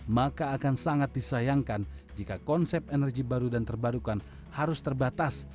maka akan sangat disayangkan jika konsep energi baru dan terbarukan harus terbatas